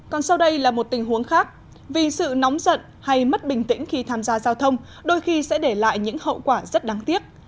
còn sau đây là một tình huống khác vì sự nóng giận hay mất bình tĩnh khi tham gia giao thông đôi khi sẽ để lại những hậu quả rất đáng tiếc